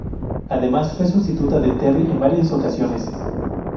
Además, fue sustituta de Terry en varias ocasiones.